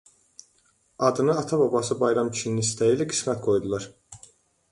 Adını ata babası Bayram kişinin istəyi ilə Qismət qoydular.